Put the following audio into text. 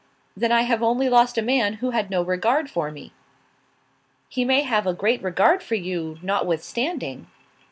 "Then I have only lost a man who had no regard for me." "He may have a great regard for you, notwithstanding."